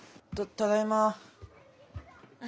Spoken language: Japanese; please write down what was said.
ただいま。